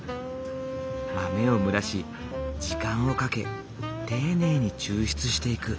豆を蒸らし時間をかけ丁寧に抽出していく。